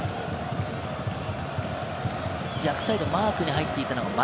逆サイドマークに入っていたのが。